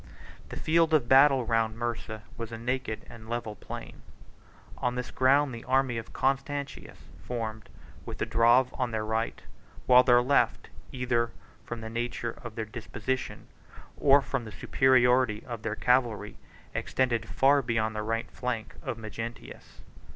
The field of battle round Mursa was a naked and level plain: on this ground the army of Constantius formed, with the Drave on their right; while their left, either from the nature of their disposition, or from the superiority of their cavalry, extended far beyond the right flank of Magnentius.